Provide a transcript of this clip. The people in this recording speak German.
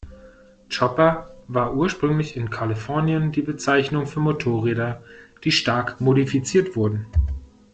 Chopper war ursprünglich in Kalifornien die Bezeichnung für Motorräder, die stark modifiziert wurden.